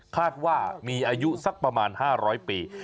คาดว่ามีอายุสักประมาณ๕๐๐ปี